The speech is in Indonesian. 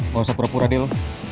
gak usah berpura pura dil